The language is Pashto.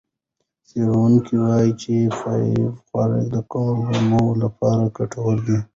څېړونکي وایي چې فایبر خواړه د کولمو لپاره ګټور دي.